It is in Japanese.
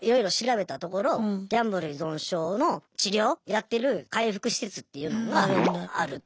いろいろ調べたところギャンブル依存症の治療をやってる回復施設っていうのがある。